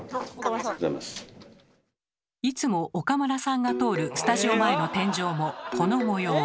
いつも岡村さんが通るスタジオ前の天井もこの模様。